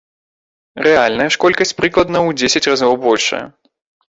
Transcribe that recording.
Рэальная ж колькасць прыкладна ў дзесяць разоў большая.